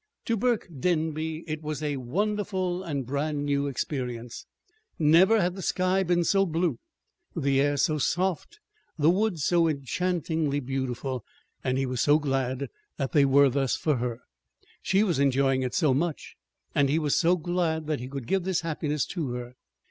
To Burke Denby it was a wonderful and a brand new experience. Never had the sky been so blue, the air so soft, the woods so enchantingly beautiful. And he was so glad that they were thus for her. She was enjoying it so much, and he was so glad that he could give this happiness to her!